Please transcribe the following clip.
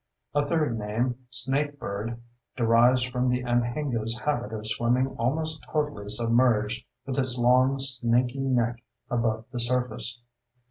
A third name, snake bird, derives from the anhinga's habit of swimming almost totally submerged with its long, snaky neck above the surface.